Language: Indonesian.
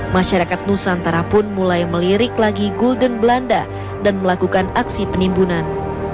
masyarakat nusantara pun mulai melirik lagi gulden belanda dan melakukan aksi penimbunan